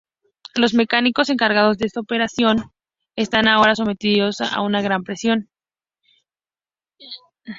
Los mecánicos encargados de esta operación están ahora sometidos a una gran presión.